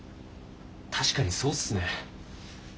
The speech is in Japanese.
確かにそうっすね。